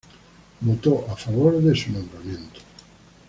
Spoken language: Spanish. Votó a favor de su nombramiento.